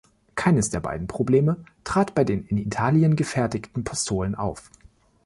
Keines der beiden Probleme trat bei den in Italien gefertigten Pistolen auf.